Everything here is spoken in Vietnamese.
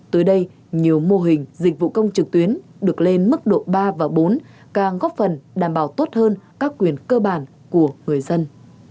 tới đây nhiều mô hình dịch vụ công trực tuyến được lên mức độ ba và bốn càng góp phần đảm bảo tốt hơn các quyền cơ bản của người dân